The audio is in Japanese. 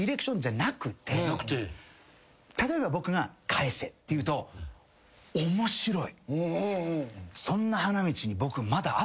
例えば僕が「返せ」って言うと「面白い」うわ！